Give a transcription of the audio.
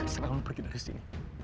saya salah gua pergi dari sini